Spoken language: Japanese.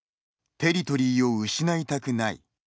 テリトリーを失いたくない。